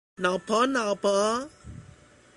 脑婆脑婆